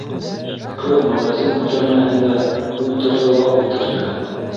Ҡыҙ магазин күтәрмәһендә ултырҙы ла ултырҙы.